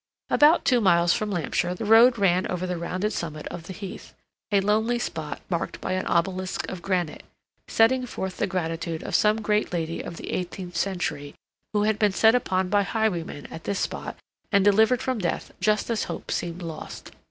About two miles from Lampsher the road ran over the rounded summit of the heath, a lonely spot marked by an obelisk of granite, setting forth the gratitude of some great lady of the eighteenth century who had been set upon by highwaymen at this spot and delivered from death just as hope seemed lost.